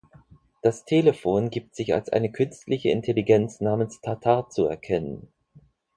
Das Telefon gibt sich als eine künstliche Intelligenz namens Tartar zu erkennen.